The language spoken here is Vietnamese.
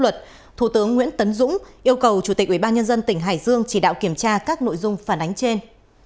chủ tịch ubnd tỉnh hải dương chỉ đạo kiểm tra các nội dung phản ánh trên